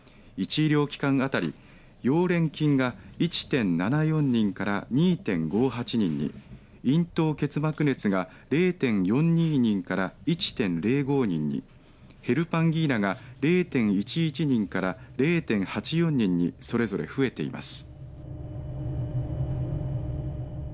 医療機関当たり溶連菌が１．７４人から２．５８人に咽頭結膜熱が０．４２人から１．０５人にヘルパンギーナが０．１１人から０．８４人にそれぞれ増えています。